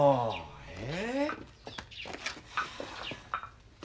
え？